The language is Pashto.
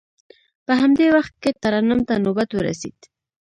په همدې وخت کې ترنم ته نوبت ورسید.